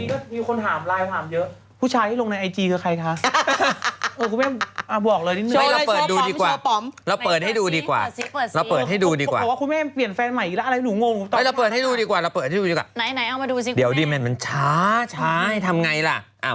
ก็มีคนถามไลน์ถามเยอะผู้ชายที่ลงในไอจีคือใครคะ